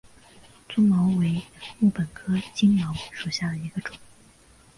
棕茅为禾本科金茅属下的一个种。